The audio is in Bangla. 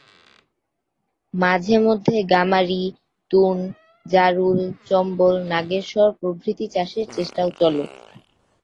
মাঝে মধ্যে গামারি, তুন, জারুল, চম্বল, নাগেশ্বর প্রভৃতি চাষের চেষ্টাও চলে।